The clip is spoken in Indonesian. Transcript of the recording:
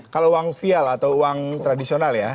kalau uang vial atau uang tradisional ya